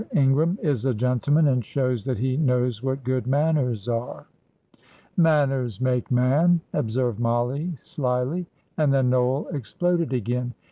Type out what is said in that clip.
Ingram is a gentleman, and shows that he knows what good manners are." "Manners make man," observed Mollie, slyly; and then Noel exploded again.